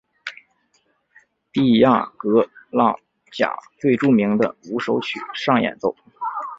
蒂亚格拉贾最著名的五首曲上演奏。